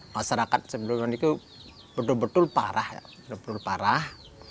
masyarakat sebelumnya itu betul betul parah